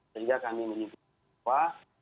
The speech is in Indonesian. sehingga kami mengingatkan bahwa